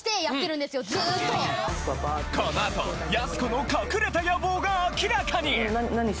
このあとやす子の隠れた野望が明らかに！